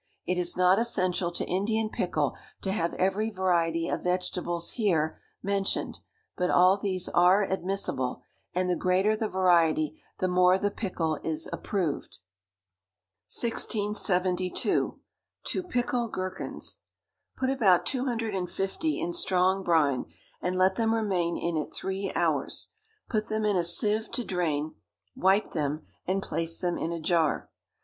It is not essential to Indian pickle to have every variety of vegetable here mentioned; but all these are admissible, and the greater the variety the more the pickle is approved. 1672. To Pickle Gherkins. Put about two hundred and fifty in strong brine, and let them remain in it three hours. Put them in a sieve to drain, wipe them, and place them in a jar.